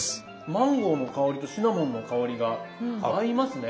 マンゴーの香りとシナモンの香りが合いますね。